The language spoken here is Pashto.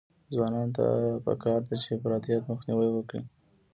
ځوانانو ته پکار ده چې، افراطیت مخنیوی وکړي.